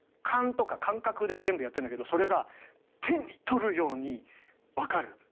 勘とか感覚で全部やってんだけどそれが手に取るように分かる。